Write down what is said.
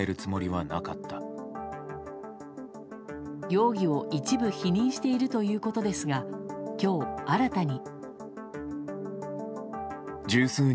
容疑を一部否認しているということですが今日、新たに。